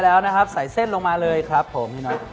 แล้วใส่เส้นลงมาเลยครับพี่น้อง